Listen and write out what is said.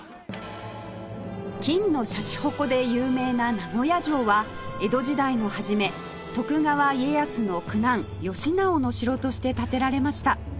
金のシャチホコで有名な名古屋城は江戸時代の初め徳川家康の九男義直の城として建てられました